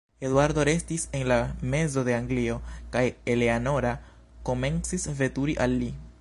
Eduardo restis en la mezo de Anglio, kaj Eleanora komencis veturi al li.